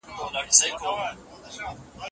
که خواړه نه خورئ نو کنګل یې کړئ.